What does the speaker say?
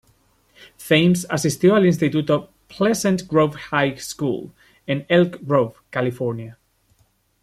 Thames asistió al instituto "Pleasant Grove High School" en Elk Grove, California.